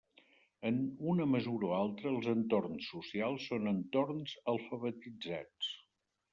En una mesura o altra, els entorns socials són entorns alfabetitzats.